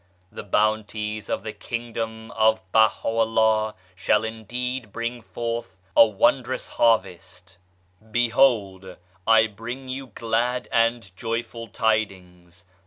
The bounties of the Kingdom of Baha'u'llah shall indeed bring forth a wondrous harvest 1 Behold ! I bring you glad and joyful tidings